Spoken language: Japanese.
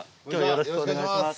よろしくお願いします。